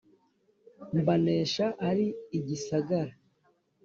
mbanesha ari igisagara